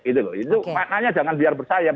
itu maknanya jangan biar bersayap